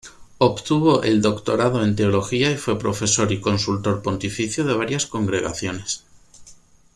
Obtuvo el doctorado en teología y fue profesor y consultor pontificio de varias congregaciones.